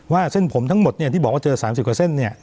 เส้นผมทั้งหมดที่บอกว่าเจอ๓๐กว่าเส้นเนี่ย